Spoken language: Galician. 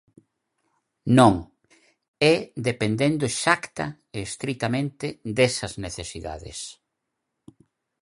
Non, é dependendo exacta e estritamente desas necesidades.